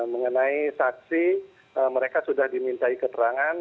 mengenai saksi mereka sudah dimintai keterangan